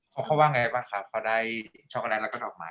เพราะว่าอย่างไรเปล่าครับอาจจะได้ช็อกโกแลตแล้วก็ดอกไม้ไป